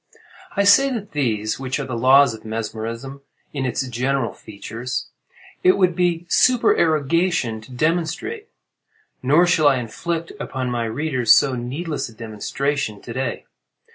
I say that these—which are the laws of mesmerism in its general features—it would be supererogation to demonstrate; nor shall I inflict upon my readers so needless a demonstration; to day.